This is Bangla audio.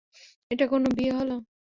এটা কোনো বিয়ে হলো।